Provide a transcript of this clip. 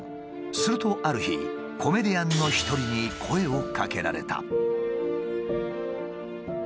するとある日コメディアンの一人に声をかけられた。